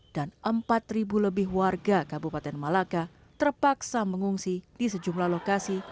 dan empat lebih warga kabupaten malaka terpaksa mengungsi di sejumlah lokasi